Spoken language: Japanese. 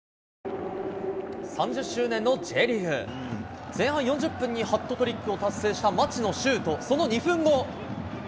３０周年のＪリーグ。前半４０分にハットトリックを達成した町野修斗、その２分後。